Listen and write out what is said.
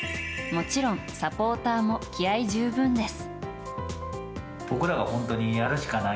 もちろんサポーターも気合十分です。